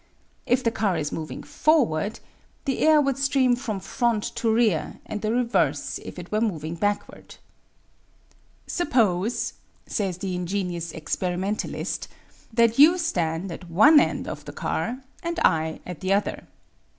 If the car is moving forward the RELATIVE MOTION ON A TRAIN 5 air would stream from front to rear and the reverse if it were moving backward. " Suppose," says the in genious experimentalist, '* that you stand at one end of the car and I at the other.